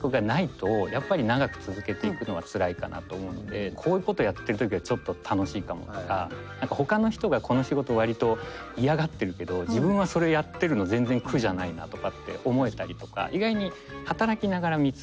ただこういうことやってる時はちょっと楽しいかもとか何かほかの人がこの仕事割と嫌がってるけど自分はそれやってるの全然苦じゃないなとかって思えたりとか。